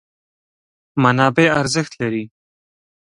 منابع ارزښت لري.